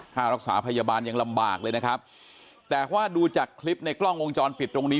ค่ารักษาพยาบาลยังลำบากเลยนะครับแต่ว่าดูจากคลิปในกล้องวงจรปิดตรงนี้